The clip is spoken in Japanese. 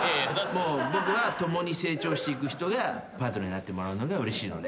僕は共に成長していく人がパートナーになってもらうのがうれしいので。